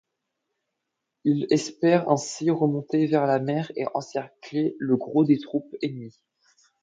Il espère ainsi remonter vers la mer et encercler le gros des troupes ennemies.